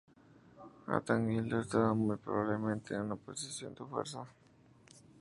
Atanagildo estaba muy probablemente en una posición de fuerza.